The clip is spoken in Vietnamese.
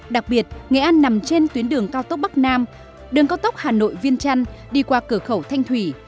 đặc biệt nghệ an nằm trên tuyến đường cao tốc bắc nam đường cao tốc hà nội viên trăn đi qua cửa khẩu thanh thủy